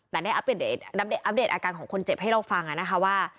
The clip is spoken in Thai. แต่ได้อัปเดตอาการของคนเจ็บให้เราฟังนะคะว่า